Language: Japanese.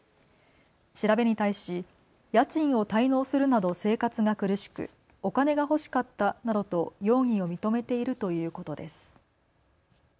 調べに対し家賃を滞納するなど生活が苦しく、お金が欲しかったなどと容疑を認めているということです。